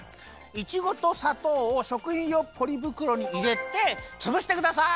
いちごとさとうをしょくひんようポリぶくろにいれてつぶしてください！